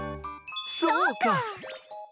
そうか！